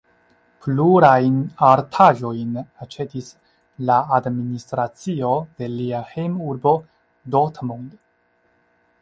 Plurajn artaĵojn aĉetis la administracio de lia hejmurbo Dortmund.